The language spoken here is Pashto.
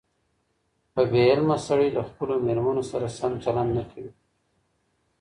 بې علمه سړي له خپلو مېرمنو سره سم چلند نه کوي.